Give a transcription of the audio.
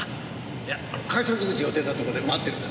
いや改札口を出たとこで待ってるから。